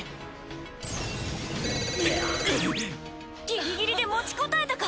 ギリギリで持ちこたえたか！